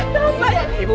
jangan ibu ibu